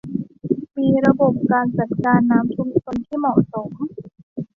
มีระบบการจัดการน้ำชุมชนที่เหมาะสม